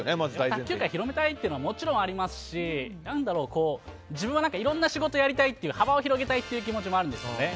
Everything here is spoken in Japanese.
卓球界を広めたいというのももちろんありますし自分はいろんな仕事をやりたい幅を広げたいという気持ちもあるんですよね